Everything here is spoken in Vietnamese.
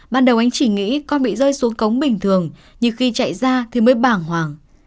ban đầu anh chỉ nghĩ con bị rơi xuống cống bình thường nhưng khi chạy ra thì mới bàng hoàng